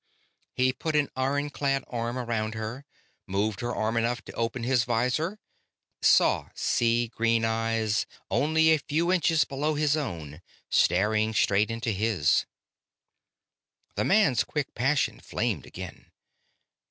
He put an iron clad arm around her, moved her arm enough to open his visor, saw sea green eyes, only a few inches below his own, staring straight into his. The man's quick passion flamed again.